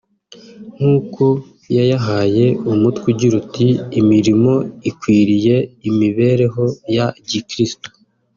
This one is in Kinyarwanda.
nk’uko yayahaye umutwe ugira uti “imirimo ikwiriye imibereho ya Gikiristo”